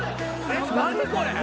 何⁉これ。